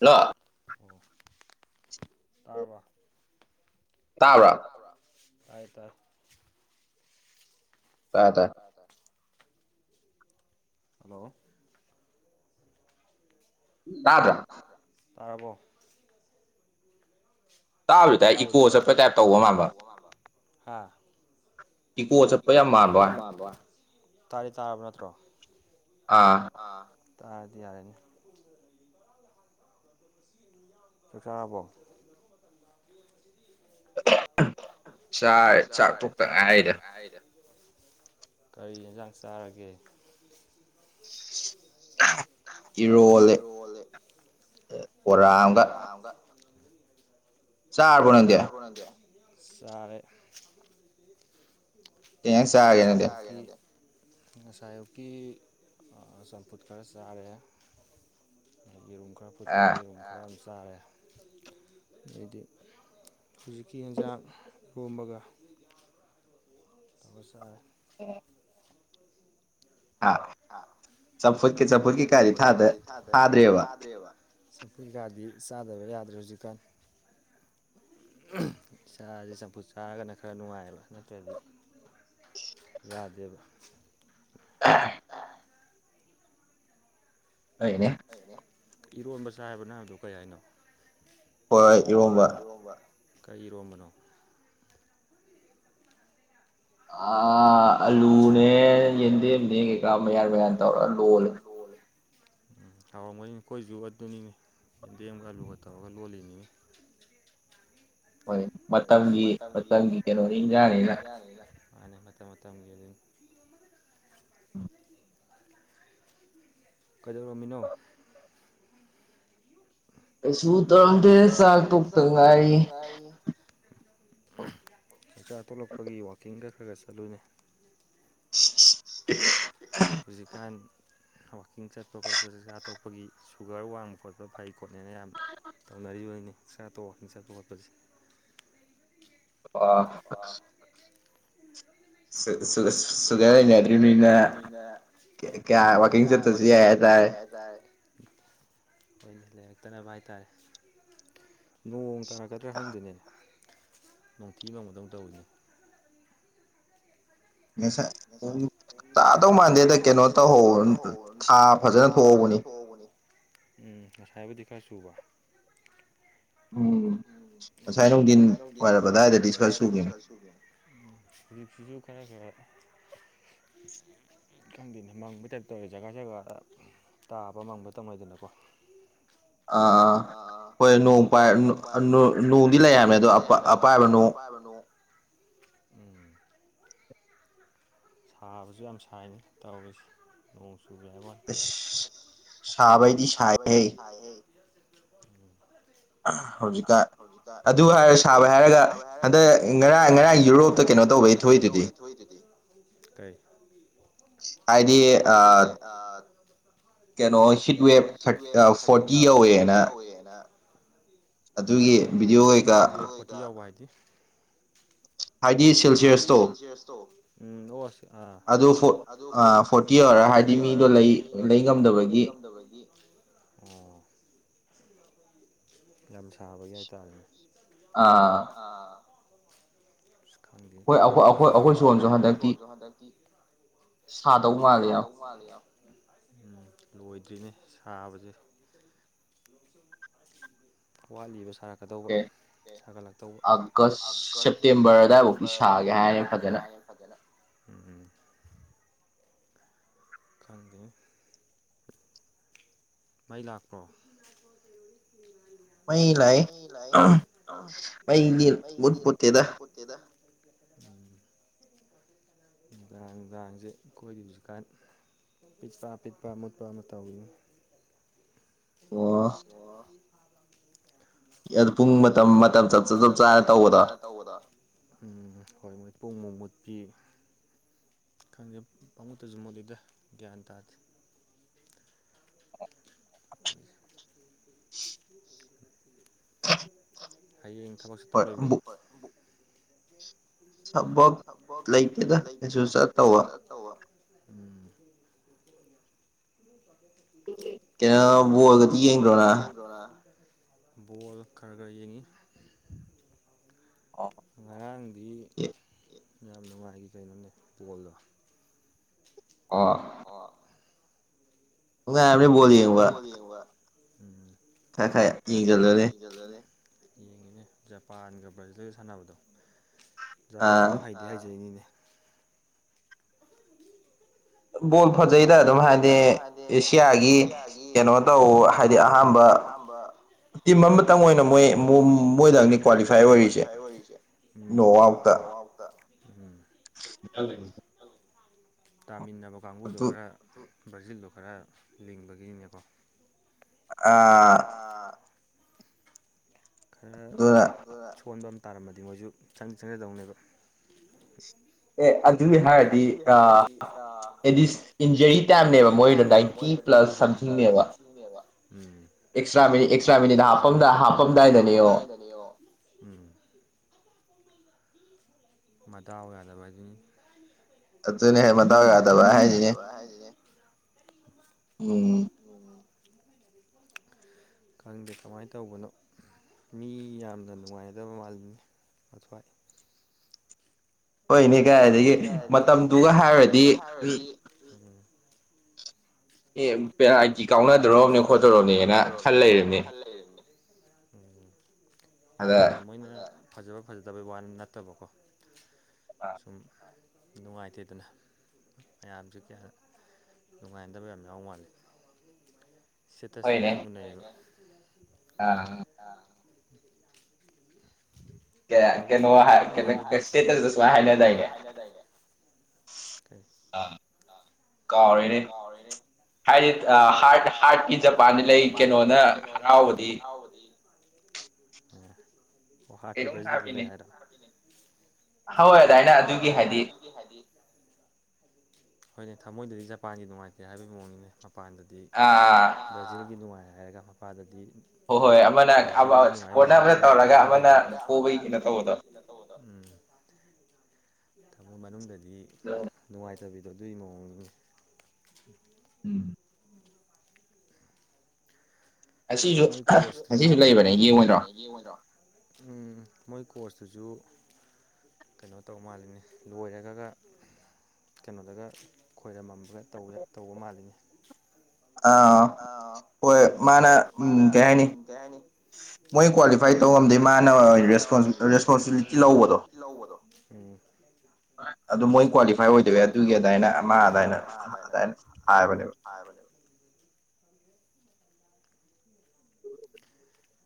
ꯂꯣ ꯑꯣ ꯇꯥꯔꯕ ꯇꯥꯕ꯭ꯔꯥ ꯇꯥꯏ ꯇꯥꯏ ꯇꯥꯔꯦ ꯇꯥꯏ ꯇꯥ ꯇꯥꯏ ꯍꯜꯂꯣ ꯇꯥꯕ꯭ꯔꯥ ꯇꯥꯕ꯭ꯔꯥ ꯇꯥꯔꯕꯣ ꯇꯥꯏ ꯇꯥꯏ ꯍꯥ ꯏꯀꯣ ꯆꯠꯄ ꯌꯥꯝ ꯃꯥꯝꯕꯋꯟ ꯇꯥꯗꯤ ꯇꯥꯔꯕ ꯅꯠꯇ꯭ꯔꯣ ꯑꯥ ꯥꯑꯥ ꯇꯥꯔꯗꯤ ꯌꯥꯔꯦꯅꯦ ꯆꯥꯛ ꯆꯥꯔꯕꯣ ꯆꯥꯔꯦ ꯆꯥꯛ ꯇꯣꯛꯇ ꯉꯥꯏꯔꯤꯗ ꯀꯔꯤ ꯌꯦꯟꯖꯥꯡ ꯆꯥꯔꯒꯦ? ꯏꯔꯣꯜꯂꯦ ꯕꯣꯔꯥꯑꯝꯒ ꯆꯥꯔꯕꯣ ꯅꯪꯗꯤ ꯆꯥꯔꯦ ꯀꯩ ꯑꯦꯟꯖꯥꯡ ꯆꯥꯔꯒꯦ ꯅꯪꯗꯤ [unintelligible] ꯉꯁꯥꯏꯑꯌꯨꯛꯀꯤ ꯆꯝꯐꯨꯠ ꯈꯔ ꯆꯥꯔꯦ ꯌꯦꯔꯨꯝ ꯈꯔ ꯐꯨꯠꯄ ꯌꯦꯔꯨꯝ ꯈꯔ ꯌꯥꯝ ꯆꯥꯔꯦ ꯑꯗꯩꯗꯤ ꯍꯧꯖꯤꯛꯀꯤ ꯌꯦꯟꯖꯥꯡ ꯂꯣꯝꯕꯒ ꯑꯧ ꯆꯥꯔꯦ ꯑꯣ ꯑꯥ ꯆꯝꯐꯨꯠꯀꯤ ꯆꯝꯐꯨꯠꯀꯤ ꯀꯥꯏꯗꯤ ꯊꯥꯗꯦ ꯊꯥꯗ꯭ꯔꯦꯕ ꯁꯒꯔꯤ ꯒꯥꯗꯤ ꯆꯥꯗꯕ ꯌꯥꯗ꯭ꯔꯦ ꯍꯧꯖꯤꯛꯀꯥꯟ ꯆꯥꯔꯦ ꯆꯝꯐꯨꯠ ꯆꯥꯔꯒꯅ ꯈꯔ ꯅꯨꯡꯉꯥꯏꯑꯕ ꯅꯠꯇ꯭ꯔꯗꯤ ꯌꯥꯗꯦꯕꯥ [unintelligible] ꯑꯩꯅꯦ ꯏꯔꯣꯟꯕ ꯆꯥꯏ ꯍꯥꯏꯕꯔꯣ ꯅꯪ ꯍꯥꯏꯕꯗꯣ ꯀꯩ ꯍꯥꯏꯅꯣ ꯍꯣꯏ ꯏꯔꯣꯝꯕ ꯀꯩ ꯏꯔꯣꯝꯕꯅꯣ ꯑ ꯑꯂꯨꯅꯦ ꯌꯦꯟꯗꯦꯝꯅꯦ ꯀꯩꯀꯥ ꯃꯌꯥꯟ ꯃꯌꯥꯟ ꯇꯧꯔ ꯂꯣꯜꯂꯦ ꯎꯝ ꯍꯥꯎꯔꯝꯒꯅꯤ ꯀꯣꯏꯁꯨ ꯑꯗꯨꯅꯤꯅꯦ ꯌꯦꯟꯗꯦꯝꯒ ꯑꯂꯨꯒ ꯇꯧꯔꯒ ꯂꯣꯜꯂꯤꯅꯤꯅꯦ ꯍꯣꯏ ꯃꯇꯝꯒꯤ ꯃꯇꯝꯒꯤ ꯀꯩꯅꯣ ꯏꯟꯖꯥꯡꯅꯤꯅ ꯃꯥꯅꯦ ꯃꯇꯝ ꯃꯇꯝꯒꯤ ꯍꯥꯏꯗꯨꯅꯦ ꯀꯩꯗꯧꯔꯝꯃꯤꯅꯣ ꯀꯩꯁꯨ ꯀꯩꯁꯨ ꯇꯧꯗꯦ ꯆꯥꯛ ꯇꯣꯛꯇ ꯉꯥꯏꯔꯤ ꯆꯥꯛꯆꯥ ꯇꯣꯛꯂꯛꯄꯒꯤ ꯋꯥꯛꯀꯤꯡꯒ ꯈꯔ ꯈꯔ ꯆꯠꯂꯨꯅꯦ ꯏꯁ ꯑꯥ ꯍꯧꯖꯤꯛꯀꯥꯟ ꯋꯥꯛꯀꯤꯡ ꯆꯠꯄ ꯈꯣꯠꯄ ꯆꯥꯛ ꯆꯥꯊꯣꯛꯄꯒꯤ ꯁꯨꯒꯔ ꯋꯥꯡꯕ ꯈꯣꯠꯄ ꯐꯩ ꯈꯣꯠꯅꯦꯅ ꯌꯥꯝ ꯇꯧꯅꯔꯤꯕꯅꯤꯥ ꯆꯥꯛꯆꯥ ꯇꯣꯛ ꯑꯒ ꯋꯥꯀꯤꯡ ꯆꯠꯄ ꯈꯣꯠꯄꯁꯦ [unintelligible] [unintelligible] ꯅꯤꯅ ꯎꯝ ꯌꯥꯏ ꯋꯥꯀꯤꯡ ꯆꯠꯇꯔꯁꯨ ꯌꯥꯏ ꯍꯥꯏꯇꯥꯔꯦ ꯍꯣꯏꯅꯦ ꯂꯩꯔꯛꯇꯅꯕ ꯍꯥꯏꯇꯥꯔꯦ ꯅꯣꯡ ꯇꯥꯔꯛꯀꯗ꯭ꯔꯥ ꯈꯪꯗꯦꯅꯦ ꯅꯨꯡꯊꯤ ꯃꯪꯕꯗꯧꯅ ꯇꯧꯔꯤꯁꯦ ꯉꯁꯥꯏ ꯎ ꯇꯥꯗꯧ ꯃꯥꯟꯗꯦꯗ ꯀꯩꯅꯣ ꯇꯧꯍꯧꯕꯅꯦ ꯊꯥ ꯐꯖꯅ ꯊꯣꯛꯍꯧꯕꯅꯤ ꯎꯝ ꯉꯁꯥꯏꯕꯨꯗꯤ ꯈꯔ ꯆꯨꯕ ꯎꯝ ꯅꯨꯡꯊꯤꯟꯁꯦ ꯉꯥꯁꯥꯏ ꯅꯨꯡꯗꯤꯟ ꯋꯥꯏꯔꯝ ꯑꯗꯥꯏꯗꯗꯤ ꯁꯋꯥꯏ ꯆꯨꯈꯤꯕꯅꯦ ꯍꯧꯖꯤꯛꯁꯤꯁꯨ ꯈꯔ ꯈꯔ ꯈꯪꯗꯦꯅꯦ ꯃꯪꯕꯩ ꯇꯥꯏꯞ ꯇꯧꯔꯦ ꯖꯒꯥ ꯖꯒꯥꯗ ꯇꯥꯕ ꯃꯪꯕ ꯇꯧꯅꯩꯗꯅꯀꯣ ꯑꯥ ꯑꯥ ꯍꯣꯏ ꯅꯣꯡ ꯄꯥꯏ ꯅꯣꯡꯗꯤ ꯂꯩ ꯍꯥꯏꯕꯅꯦ ꯑꯗꯣ ꯑꯄꯥꯏꯕ ꯅꯣꯡ ꯅꯣꯡ ꯁꯥꯕꯁꯨ ꯌꯥꯝ ꯁꯥꯏꯅꯤ ꯇꯧꯔꯤꯁꯦ ꯅꯣꯡ ꯆꯨꯖꯩ ꯍꯥꯏꯕ ꯋꯥꯅꯤ ꯑꯁ ꯁꯕꯩꯗꯤ ꯁꯥꯏꯍꯦ ꯍꯧꯖꯤꯛ ꯍꯧꯖꯤꯛꯇ ꯑꯗꯨ ꯍꯥꯏꯔ ꯁꯥꯕ ꯍꯥꯏꯔꯒ ꯍꯟꯗꯛ ꯉꯔꯥꯡ ꯉꯔꯥꯡ ꯌꯨꯔꯣꯞꯇ ꯀꯩꯅꯣ ꯇꯧꯕꯩ ꯊꯣꯛꯏꯗꯣꯗꯤ ꯀꯩ ꯍꯥꯏꯗꯤ ꯑ ꯀꯩꯅꯣ ꯍꯤꯠꯋꯦꯞ ꯊꯔ ꯐꯣꯔꯇꯤ ꯌꯧꯋꯦꯅ [unintelligible] ꯑꯗꯨꯒꯤ ꯍꯥꯏꯗꯤ ꯁꯦꯜꯁꯤꯌꯦꯁꯇꯣ ꯎ ꯑꯗꯨ ꯑ ꯐꯣꯔꯇꯤ ꯑꯣꯏꯔ ꯍꯥꯏꯗꯤ ꯃꯤꯗꯣ ꯂꯩ ꯂꯩ ꯉꯝꯗꯕꯒꯤ ꯑꯣ ꯌꯥꯝ ꯁꯥꯕꯒꯤ ꯍꯥꯏꯇꯥꯔꯦꯅꯦ ꯑꯥ ꯑꯥ ꯈꯪꯗꯦ ꯇꯧꯔꯤꯁꯦ ꯈꯣꯏ ꯑꯈꯣꯏ ꯑꯈꯣꯏ ꯑꯩꯈꯣꯏ ꯁꯣꯟꯁꯨ ꯍꯟꯗꯛꯇꯤ ꯁꯥꯗꯧ ꯃꯥꯜꯂꯦ ꯌꯥꯝ ꯃꯥꯜꯂꯦ ꯌꯥꯝ ꯎꯝ ꯂꯣꯏꯗ꯭ꯔꯤꯅꯦ ꯁꯥꯕꯁꯦ ꯋꯥꯠꯂꯤꯕ ꯁꯥꯔꯛ ꯀꯗꯧꯕ ꯁꯥꯍꯒꯠꯂꯛꯇꯧꯕ ꯑꯥꯒꯁ ꯁꯦꯞꯇꯦꯝꯕꯔ ꯑꯗꯨꯋꯥꯏꯐꯥꯗꯤ ꯁꯥꯒꯦ ꯍꯥꯏꯔꯦ ꯐꯖꯅ ꯈꯪꯗꯦ ꯃꯥꯩ ꯂꯥꯛꯄ꯭ꯔꯣ ꯃꯩ ꯂꯥꯛꯏ ‌ꯃꯩꯗꯤ ꯃꯨꯠꯄꯣꯠꯇꯦꯗ ꯎꯝ ꯅꯨꯡꯗꯥꯡ ꯅꯨꯡꯗꯥꯡꯁꯦ ꯑꯩꯈꯣꯏꯗ ꯍꯧꯖꯤꯛꯀꯥꯟ ꯄꯤꯠꯄꯥ ꯄꯤꯠꯄꯥ ꯃꯨꯠꯄ ꯑꯃ ꯇꯧꯔꯤꯌꯦ ꯑꯣ ꯄꯨꯡ ꯃꯇꯝ ꯃꯇꯝ ꯆꯞ ꯆꯞ ꯆꯞ ꯆꯥꯅ ꯇꯧꯕꯗꯣ ꯎꯝ ꯍꯣꯏ ꯃꯣꯏ ꯄꯨꯡ ꯃꯨꯛ ꯃꯨꯠꯄꯤ ꯈꯪꯗꯦ ꯄꯪꯃꯨꯠꯇꯖꯨ ꯃꯨꯠꯂꯤꯗ ꯒ꯭ꯌꯥꯟ ꯇꯥꯗꯦ ꯍꯌꯦꯡ ꯊꯕꯛ ꯆꯠꯇꯧ ꯂꯩꯕ꯭ꯔꯣ ꯊꯕꯛ ꯂꯩꯇꯦꯗ ꯀꯩꯁꯨ ꯆꯠꯇꯧꯕ ꯀꯩꯅꯣ ꯕꯣꯜꯒꯗꯤ ꯌꯦꯡꯗ꯭ꯔꯣ ꯉꯔꯥꯡ ꯕꯣꯜ ꯈꯔ ꯈꯔ ꯌꯦꯡꯉꯤ ꯑꯣ ꯉꯔꯥꯡꯗꯤ ꯌꯥꯝ ꯅꯨꯡꯉꯥꯏꯒꯤ ꯀꯩꯅꯣꯅꯦ ꯕꯣꯜꯗꯣ ꯑꯣ ꯑꯣ ꯅꯨꯡꯉꯥꯏꯕꯅꯦ ꯕꯣꯜ ꯌꯦꯡꯕ ꯎꯝ ꯈꯔ ꯈꯔ ꯌꯦꯡꯖꯤꯜꯂꯅꯤ ꯌꯦꯡꯉꯤꯅꯦ ꯖꯄꯥꯟꯒ ꯕ꯭ꯔꯥꯖꯤꯜꯒ ꯁꯥꯟꯅꯕꯗꯣ ꯖꯄꯥꯟꯗꯣ ꯍꯩꯗꯤ ꯍꯩꯖꯩꯅꯤꯅꯦ ꯕꯣꯜ ꯐꯖꯩꯗ ꯑꯗꯨꯝ ꯍꯥꯏꯗꯤ ꯑꯦꯁꯤꯌꯥꯒꯤ ꯀꯩꯅꯣ ꯇꯧ ꯍꯥꯏꯗꯤ ꯑꯍꯥꯟꯕ ꯇꯤꯝ ꯑꯃꯇꯪ ꯑꯣꯏꯅ ꯃꯣꯏ ꯃꯣꯏꯗꯪꯅꯤ ꯀ꯭ꯋꯥꯂꯤꯐꯥꯏ ꯑꯣꯏꯔꯤꯁꯦ ꯎꯝ ꯅꯣꯛ ꯑꯥꯎꯠꯇ ꯎꯝ [unintelligible] ꯇꯥꯃꯤꯟꯅꯕ ꯀꯥꯡꯕꯨꯗꯣ ꯈꯔ ꯕ꯭ꯔꯖꯤꯜꯗꯣ ꯈꯔ ꯂꯤꯡꯕꯒꯤꯅꯦꯀꯣ ꯑꯥ ꯑꯥ ꯈꯔ ꯁꯣꯟꯕ ꯑꯃ ꯇꯥꯔꯝꯃꯗꯤ ꯃꯣꯏꯁꯨ ꯆꯪꯖꯔꯗꯧꯅꯦꯕ ꯑꯦ ꯑꯗꯨꯒꯤ ꯍꯥꯏꯔꯗꯤ ꯑ ꯑꯦꯔꯤꯁ ꯏꯟꯖꯨꯔꯤ ꯇꯥꯏꯝꯅꯦꯕ ꯃꯣꯏꯗꯣ [unintelligible] ꯄ꯭ꯂꯁ ꯁꯝꯊꯤꯡꯅꯦꯕ um extra minute extra minute ꯍꯥꯞꯄꯝ ꯍꯥꯞꯄꯝꯗꯥꯏꯗꯅꯦ ꯌꯦꯡꯉꯣ ꯃꯗꯥꯎ ꯌꯥꯗꯕ ꯍꯥꯏꯗꯨꯅꯤꯅꯦ ꯑꯗꯨꯅꯦ ꯃꯗꯥꯎ ꯌꯥꯗꯕ ꯍꯥꯏꯁꯦ ꯎꯝ ꯈꯪꯗꯦ ꯀꯃꯥꯏ ꯇꯧꯕꯅꯣ ꯃꯤ ꯌꯥꯝꯅ ꯅꯨꯡꯉꯥꯏꯗꯕ ꯃꯥꯜꯂꯤꯅꯦ ꯃꯊ꯭ꯋꯥꯏ ꯍꯣꯏꯅꯦ ꯀꯥꯏꯗꯒꯤ ꯃꯇꯝꯗꯨꯒ ꯍꯥꯏꯔꯨꯔꯗꯤ ꯃꯤ ꯎꯝ ꯑꯦ ꯑꯥ ꯑꯩꯒꯤ ꯈꯥꯎꯅꯗꯧꯔꯣ ꯈꯣꯠꯇꯔꯣꯅꯦꯅ ꯈꯟ ꯂꯩꯔꯤꯅꯦ ꯎꯝ ꯌꯥꯝꯅ ꯃꯣꯏꯅ ꯐꯖꯕ ꯐꯖꯗꯕꯩ ꯋꯥ ꯅꯠꯇꯕꯀꯣ ꯁꯨꯝ ꯅꯨꯡꯉꯥꯏꯇꯦꯗꯅ ꯃꯌꯥꯝꯁꯨ ꯀꯌꯥ ꯅꯨꯡꯉꯥꯏꯅꯗꯕ ꯌꯥꯝ ꯌꯥꯎ ꯃꯥꯜꯂꯤ ꯁꯦꯇꯁ ꯇꯒꯥ ꯌꯥꯝ ꯍꯨꯟꯅꯩꯌꯦꯕ ꯑꯥ ꯑꯥ ꯐꯕꯗꯤ ꯅꯨꯡꯕꯨꯗꯤ ꯅꯨꯡꯉꯥꯏ ꯏꯁꯇꯦꯇꯁꯇ ꯁꯨꯃꯥꯏ ꯍꯥꯏꯅ ꯗꯥꯏꯅꯦ ꯀꯩ ꯑꯥ ꯀꯥꯎꯔꯦꯅꯦ ꯀꯥꯎꯔꯦꯅꯦ ꯍꯥꯏꯗꯤ ꯍꯥꯔꯠ ꯍꯥꯔꯠꯀꯤ ꯖꯄꯥꯟꯗ ꯂꯩ ꯀꯩꯅꯣꯅ ꯍꯔꯥꯎꯔꯗꯤ ꯎꯝ ꯒꯨꯍꯥꯇꯤ ꯕ꯭ꯔꯖꯤꯟꯗ ꯂꯩ ꯍꯥꯏꯔꯣ ꯍꯧꯔ ꯑꯗꯥꯏꯅꯥ ꯑꯗꯨꯒꯤ ꯍꯥꯏꯗꯤ ꯍꯣꯏꯅꯦ ꯊꯝꯃꯣꯏꯗꯗꯤ ꯖꯄꯥꯟꯒꯤ ꯅꯨꯡꯉꯥꯏꯇꯦ ꯍꯥꯏꯕꯒꯤ ꯃꯑꯣꯡꯅꯤꯅꯦ ꯃꯄꯥꯟꯗ ꯑ꯭ꯗꯤ ꯑꯥ ꯑꯥ ꯚꯔꯖꯤꯜꯒꯤ ꯅꯨꯡꯉꯥꯏ ꯍꯥꯏꯔꯒ ꯃꯄꯥꯗꯗꯤ ꯚꯔꯖꯤꯜꯒꯤ ꯅꯨꯉꯥꯏꯕ ꯎꯠꯂꯒ ꯊꯃꯣꯏꯗꯗꯤ ꯇꯧꯕꯗꯣ ꯎꯝ ꯊꯃꯣꯏ ꯃꯅꯨꯡꯗꯗꯤ ꯅꯨꯡꯉꯥꯏꯇꯕꯤꯗꯣ ꯑꯗꯨꯏ ꯃꯑꯣꯡꯅꯤ ꯎꯝ ꯃꯣꯏ ꯀꯣꯔꯁꯇꯨꯖꯨ ꯉꯁꯤꯁꯨ ꯂꯩꯕꯅꯦ ꯌꯦꯡꯉꯣꯏꯗ꯭ꯔꯣ ꯎꯝ ꯃꯣꯏ ꯀꯣꯔꯁꯇꯨꯖꯨ ꯀꯩꯅꯣ ꯇꯧ ꯃꯥꯜꯂꯤꯅꯦ ꯂꯣꯏꯔꯒꯒ ꯀꯩꯅꯣꯗꯒ ꯈꯣꯏꯔꯝꯃꯝꯕꯒ ꯇꯧ ꯇꯧꯕ ꯃꯥꯜꯂꯤꯅꯦ ꯑꯥ ꯍꯣꯏ ꯃꯥꯅ ꯎꯝ ꯀꯩꯍꯥꯏꯅꯤ ꯃꯣꯏ ꯀ꯭ꯋꯥꯂꯤꯐꯥꯏ ꯇꯧꯉꯝꯗꯦ ꯃꯥꯅ ꯔꯦꯁꯄꯣꯟꯁꯤ ꯔꯦꯁꯄꯣꯟꯁꯤꯕꯤꯂꯤꯇꯤ ꯂꯧꯕꯗꯣ ꯍꯣꯏ ꯑꯗꯨ ꯃꯣꯏ ꯀ꯭ꯋꯥꯂꯤꯐꯥꯏ ꯑꯣꯏꯗꯕꯩ ꯑꯗꯨꯒꯤ ꯑꯗꯥꯏꯅ ꯑꯃ ꯑꯗꯨꯃꯥꯏꯅ ꯑꯗꯨꯏꯅ ꯍꯥꯏꯕꯅꯦꯕ ꯍꯥꯏꯕꯅꯦꯕ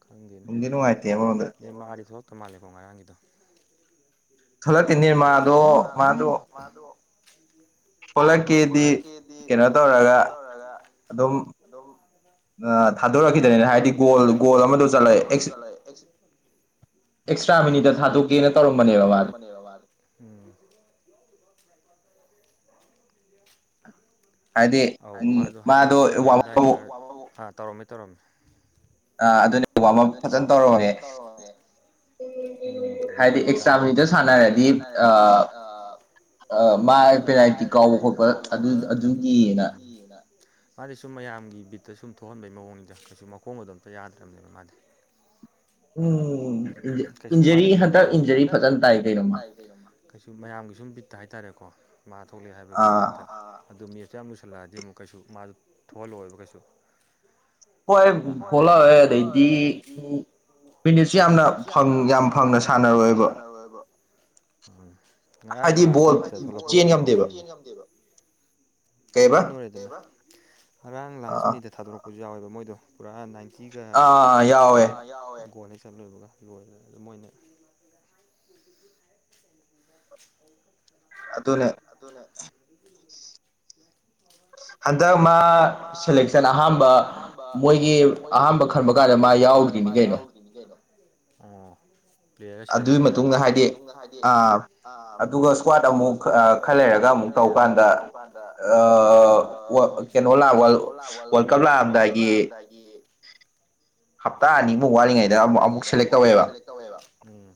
ꯈꯪꯗꯦꯅꯦ ꯅꯨꯡꯗꯤ ꯅꯨꯡꯉꯥꯏꯇꯦ ꯅꯦꯃꯔꯗꯤ ꯊꯣꯛꯂꯛꯇ ꯃꯥꯜꯂꯦꯀꯣ ꯉꯔꯥꯡꯒꯤꯗꯣ ꯊꯣꯛꯂꯛꯇꯦ ꯅꯦꯃꯥꯔꯗꯣ ꯃꯥꯗꯣ ꯊꯣꯛꯂꯛꯀꯦꯗꯤ ꯀꯩꯅꯣ ꯇꯧꯔꯒ ꯑꯗꯨꯝ ꯑ ꯊꯥꯗꯣꯔꯛꯈꯤꯗ꯭ꯔꯦꯅꯦ ꯍꯥꯏꯗꯤ ꯒꯣꯜ ꯒꯣꯜ ꯑꯃꯗꯣ ꯆꯠꯂ ꯑꯦꯛꯁ ꯑꯦꯛꯁꯇ꯭ꯔꯥ ꯃꯤꯅꯤꯠꯗ ꯊꯥꯗꯣꯛꯀꯦꯅ ꯇꯧꯔꯝꯕꯅꯦꯕ ꯃꯥꯗꯣ ꯑꯧ ꯃꯥꯗꯣ ꯍꯥꯏꯗꯤ ꯁꯥꯟꯅꯔꯝꯗꯥꯏꯗ ꯇꯧꯔꯝꯃꯦ ꯇꯧꯔꯝꯃꯦ ꯑ ꯑꯗꯨꯅꯦ ꯋꯥꯔꯝ ꯑꯞ ꯐꯖꯅ ꯇꯧꯔꯝꯃꯦ ꯎꯝ ꯑꯩꯈꯣꯏ ꯑꯦꯁꯇꯔꯥ ꯍꯥꯏꯗꯤ ꯑꯦꯁꯇꯥꯔ ꯋꯦꯗ ꯁꯥꯟꯅꯔꯗꯤ ꯑ ꯑ ꯃꯥ ꯄꯦꯅꯥꯜꯇꯤ ꯀꯥꯎꯕ ꯈꯣꯠꯄ ꯑꯗꯨ ꯑꯗꯨꯗꯤꯅ ꯃꯥꯗꯤ ꯁꯨꯝ ꯃꯌꯥꯝꯒꯤ ꯕꯤꯠꯇ ꯁꯨꯝ ꯊꯣꯛꯍꯟꯕꯒꯤ ꯃꯑꯣꯡꯅꯤꯗ ꯀꯩꯁꯨ ꯃꯈꯣꯡꯒꯗꯣ ꯑꯝꯇ ꯌꯥꯗ꯭ꯔꯕꯅꯦꯕ ꯃꯥꯗꯤ ꯎꯝ ꯀꯩꯁꯨ ꯃꯥꯅ ꯁꯅꯕꯗꯣ ꯏꯟꯖꯔꯤ ꯐꯖꯅ ꯇꯥꯏ ꯀꯩꯅꯣ ꯃꯥ ꯀꯩꯁꯨ ꯃꯌꯥꯝꯒꯤ ꯁꯨꯝ ꯕꯤꯠꯇ ꯍꯥꯏꯇꯥꯔꯦꯀꯣ ꯃꯥ ꯊꯣꯛꯂꯛꯑꯦ ꯍꯥꯏꯕꯒꯤ ꯕꯤꯠꯇ ꯑꯗꯨ ꯃꯤ ꯌꯥꯝ ꯂꯨꯁꯜꯂꯛꯑꯗꯤ ꯑꯃꯨꯛ ꯀꯩꯁꯨ ꯃꯥꯁꯨ ꯊꯣꯛꯍꯜꯂꯛꯑꯣꯏꯕ ꯀꯩꯁꯨ ꯅꯍꯥ ꯃꯌꯥꯝ ꯂꯩꯔꯤꯃꯤꯅ ꯀꯣ ꯃꯤꯅꯤꯠꯁꯨ ꯌꯥꯝꯅ ꯌꯥꯝ ꯐꯪꯅ ꯁꯥꯟꯅꯔꯣꯏꯕ ꯉꯔꯥꯡ ꯂꯥꯁ ꯃꯤꯅꯤꯠꯇ ꯊꯣꯛꯂꯛꯄꯒꯖꯨ ꯌꯥꯎꯕꯅꯤꯅꯦ ꯑꯍꯜ ꯑꯣꯏꯔꯗ ꯉꯔꯥꯡ ꯂꯥꯁ ꯃꯤꯅꯤꯠꯇ ꯊꯥꯗꯣꯔꯛ [unintelligible] ꯌꯥꯎꯋꯦꯕ ꯃꯣꯏꯗꯣ ꯄꯨꯔꯥ ꯅꯥꯏꯟꯇꯤꯒ ꯑꯥ ꯌꯥꯎꯋꯦ ꯆꯠꯂꯨꯕꯒ ꯂꯣꯏꯔꯦ ꯑꯗꯨ ꯃꯣꯏꯅ ꯑꯗꯨꯅꯦ ꯑꯗꯨꯅꯦ ꯍꯟꯗꯛ ꯃꯥ ꯁꯦꯂꯦꯛꯁꯟ ꯑꯍꯥꯝꯕ ꯃꯣꯏꯒꯤ ꯑꯍꯥꯟꯕ ꯈꯟꯕ [unintelligible] ꯃꯥ ꯌꯥꯎꯗ꯭ꯔꯤꯅꯤ ꯀꯩꯅꯣ ꯀꯩꯅꯣ ꯑꯣ ꯄ꯭ꯂꯦꯌꯔ ꯁꯤꯂꯦꯛ ꯇꯧꯕ ꯀꯥꯟꯗ ꯑꯗꯨꯒꯤ ꯃꯇꯨꯡꯗ ꯍꯥꯏꯗꯤ ꯑꯥ ꯎꯝꯆ ꯑꯗꯨꯒ ꯁ꯭ꯋꯣꯝꯗꯗ ꯑꯃꯨꯛ ꯈꯔ ꯂꯩꯔꯒ ꯑꯃꯨꯛ ꯇꯧꯀꯥꯟꯗ ꯑ ꯑꯥ ꯀꯩꯅꯣ ꯂꯥꯛ ꯋꯥꯔꯜ ꯀꯞ ꯂꯥꯛꯑꯝꯗꯥꯏꯒꯤ ꯍꯞꯇꯥ ꯑꯅꯤꯃꯨꯛ ꯋꯥꯠꯂꯤꯉꯩꯗ ꯑꯃꯨꯛ ꯑꯃꯨꯛ ꯁꯦꯂꯦꯛ ꯇꯧꯋꯦꯕ ꯎꯝ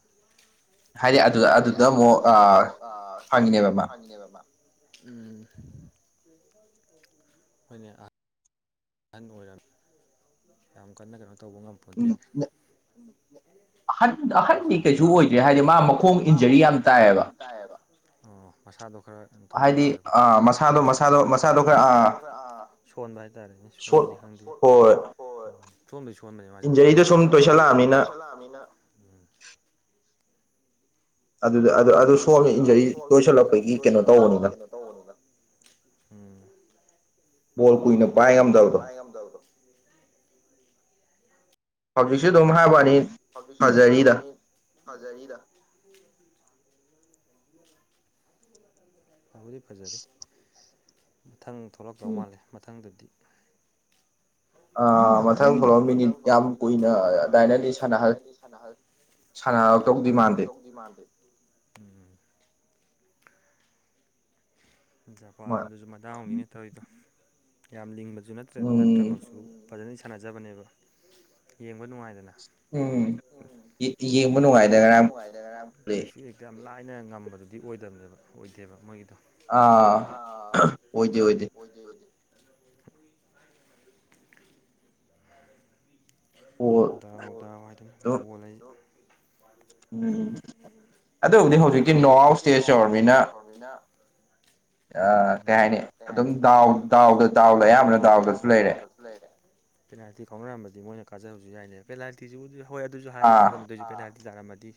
ꯍꯥꯏꯗꯤ ꯑꯗꯨꯗ ꯑꯗꯨꯗ ꯑꯃꯨꯛ ꯑꯥ ꯐꯪꯉꯑꯦꯕ ꯃꯥ ꯎꯝ ꯍꯣꯏꯅꯦ ꯑꯥ ꯑꯍꯟ ꯑꯣꯏꯔꯝꯃꯤ ꯌꯥꯝ ꯀꯟꯅ ꯀꯩꯅꯣ ꯇꯧꯕ ꯉꯝꯕ ꯎꯝ ꯅꯦ [unintelligible] ꯑꯍꯟ ꯑꯍꯟꯗꯤ ꯀꯩꯁꯨ ꯑꯣꯏꯗ꯭ꯔꯦ ꯍꯥꯏꯗꯤ ꯃꯥ ꯃꯈꯣꯡꯗꯨꯗꯗꯤ ꯌꯥꯝ ꯇꯌꯦꯕ ꯑꯣ ꯃꯁꯥꯗꯣ ꯈꯔ ꯇꯧꯕ ꯍꯥꯏꯇꯥꯔꯦꯀꯣ ꯍꯥꯏꯗꯤ ꯃꯁꯥꯗꯣ ꯃꯁꯥꯗꯣ ꯃꯁꯥꯗꯣ ꯈꯔ ꯑꯥ ꯁꯣꯟꯕ ꯍꯥꯏꯇꯥꯔꯦꯅꯦ ꯐꯣꯟꯕꯗꯤ ꯈꯪꯗꯦ [unintelligible] ꯍꯣꯏ ꯁꯣꯟꯕꯨꯗꯤ ꯁꯣꯟꯕꯅꯦ ꯃꯥꯖꯦ ꯃꯁꯥꯒꯤ ꯈꯔ ꯏꯟꯖꯨꯔꯤꯗꯣ ꯁꯨꯝ ꯇꯣꯏꯁꯜꯂꯛꯑꯕꯅꯤꯅ ꯎꯝ ꯑꯗꯨꯗꯤ ꯑꯗꯣ ꯑꯗꯨꯗ ꯑꯗꯨ ꯑꯗꯨ ꯁꯣꯛꯑꯃꯤꯅ ꯏꯟꯖꯨꯔꯤ ꯇꯣꯏꯁꯜꯂꯛꯄꯒꯤ ꯀꯩꯅꯣ ꯇꯧꯕꯅꯤꯗ ꯎꯝ ꯕꯣꯜ ꯀꯨꯏꯅ ꯄꯥꯏ ꯉꯝꯗꯕꯗꯣ ꯍꯧꯖꯤꯛꯁꯨ ꯑꯗꯨꯝ ꯍꯥꯏꯕꯋꯥꯅꯤ ꯍꯧꯖꯤꯛꯁꯨ ꯑꯗꯨꯝ ꯍꯥꯏꯕꯋꯥꯅꯤ ꯐꯖꯔꯤꯗ ꯐꯕꯨꯗꯤ ꯐꯖꯔꯤ ꯃꯊꯪ ꯊꯣꯛꯂꯛꯇꯧ ꯃꯥꯜꯂꯦ ꯃꯊꯪꯗꯗꯤ ꯑꯥ ꯃꯊꯪ ꯊꯣꯛꯂꯛꯑ ꯃꯤꯅꯤꯠ ꯌꯥꯝ ꯀꯨꯏꯅ ꯑꯗꯥꯏꯅꯗꯤ ꯁꯥꯟꯅꯍꯜ ꯁꯥꯟꯅꯔꯛ ꯇꯧꯗꯤ ꯃꯥꯟꯗꯦ ꯎꯝ ꯖꯄꯥꯟꯗꯨꯖꯨ ꯃꯗꯥꯎꯅꯤꯅꯦ ꯇꯧꯔꯤꯗꯣ ꯀꯌꯥꯝ ꯂꯤꯡꯕꯖꯨ ꯅꯠꯇ꯭ꯔ ꯅꯠꯇ꯭ꯔꯃꯛꯁꯨ ꯐꯖꯟꯅꯗꯤ ꯁꯥꯟꯅꯖꯕꯅꯦꯕ ꯌꯦꯡꯕ ꯅꯨꯡꯉꯥꯏꯗꯅ ꯎꯝ ꯌꯦ ꯌꯦꯡꯕ ꯅꯨꯡꯉꯥꯏꯗ ꯉꯥꯔꯥꯡꯖꯨ ꯀꯩꯁꯨ ꯌꯥꯝ ꯂꯥꯏꯅ ꯉꯝꯕꯗꯨꯗꯤ ꯑꯣꯏꯗꯕꯅꯦꯕ ꯑꯣꯏꯗꯦꯕ ꯃꯣꯏꯒꯤꯗꯣ ꯑꯥ ꯑꯥ ꯑꯣꯏꯗꯦ ꯑꯣꯏꯗꯦ ꯗꯥꯎ ꯗꯥꯎ ꯍꯥꯏꯗꯨꯅꯤ ꯕꯣꯜ ꯍꯥꯏꯗꯣ ꯑꯗꯨꯕꯨꯗꯤ ꯍꯧꯖꯤꯛꯀꯤ ꯅꯣ ꯑꯥꯎꯠ ꯏꯁꯇꯦꯖ ꯌꯧꯔꯕꯅꯤꯅ ꯑꯥ ꯀꯩ ꯍꯥꯏꯅꯤ ꯑꯗꯨꯝ ꯗꯥꯎ ꯗꯥꯎꯗ ꯗꯥꯎꯅ ꯑꯌꯥꯝꯕꯅ ꯗꯥꯎꯗ ꯂꯩꯔꯦ ꯄꯦꯅꯥꯜꯇꯤ ꯀꯥꯎꯅꯔꯝꯕꯗꯤ ꯃꯣꯏꯅ ꯀꯥꯖꯔꯝꯕꯖꯨ ꯌꯥꯏꯅꯦ ꯄꯦꯅꯥꯜꯇꯤꯖꯤꯕꯨꯗꯤ ꯍꯣꯏ ꯑꯗꯨꯁꯨ ꯍꯥꯏꯕꯕꯨꯗꯤ ꯉꯝꯗꯦ UNINTELLIGIBLE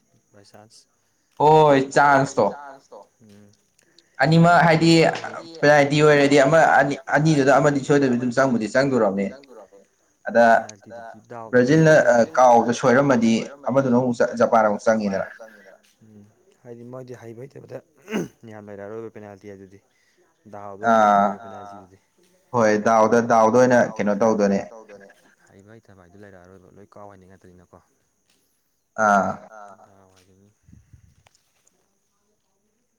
ꯑꯅꯤꯃꯛ ꯍꯥꯢꯗꯤ ꯃꯥ ꯍꯥꯏꯗꯤ ꯄꯩꯅꯥꯜꯇꯤ ꯑꯣꯏꯔꯗꯤ ꯑꯃ ꯑꯅꯤ ꯑꯅꯤꯗꯨꯗ ꯑꯃꯗꯤ ꯁꯣꯏꯗꯕꯤꯗ ꯑꯗꯨꯝ ꯆꯪꯕꯨꯗꯤ ꯆꯪꯗꯧꯔꯕ UNINTELLIGIBLE INAUDIBLE ꯎꯪ ꯍꯥꯏꯗꯤ ꯃꯣꯏꯗꯤ ꯍꯩꯕ-ꯎꯎꯪ ꯍꯩꯇꯕꯗ ꯌꯥꯝ ꯂꯩꯔꯛꯑꯔꯣꯏꯕ ꯄꯦꯅꯥꯜꯇꯤ ꯑꯗꯨꯗꯤ UNINTELLIGIBLE ꯍꯩꯕ ꯍꯩꯇꯕ ꯍꯥꯏꯗꯨ ꯂꯩꯔꯛꯑꯔꯣꯏꯕ ꯂꯣꯏ ꯀꯥꯎ ꯍꯩꯅꯩ ꯉꯥꯛꯇꯅꯤꯅꯀꯣ ꯑꯥꯑ UNINTELLIGIBLE